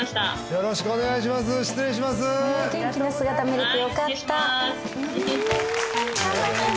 よろしくお願いします